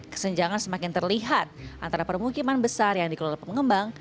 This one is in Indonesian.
kesenjangan semakin terlihat antara permukiman besar yang dikelola pengembang